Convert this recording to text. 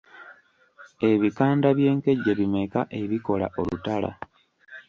Ebikanda by’enkejje bimeka ebikola olutala?